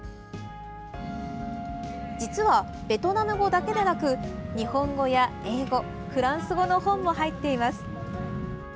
実はベトナム語だけでなく日本語や英語、フランス語の本も入っています。